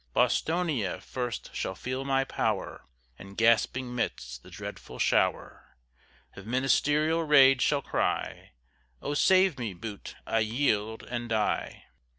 Bostonia first shall feel my power, And gasping midst the dreadful shower Of ministerial rage, shall cry, Oh, save me, Bute! I yield! and die.